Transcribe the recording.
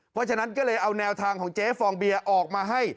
เพราะฉะนั้นก็เลยเอาแนวทางของเจ๊ฟองเบียออกมาให้